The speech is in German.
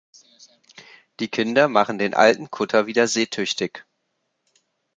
Die Kinder machen den alten Kutter wieder seetüchtig.